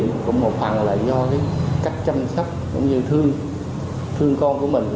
thì cũng một phần là do cái cách chăm sóc cũng như thương con của mình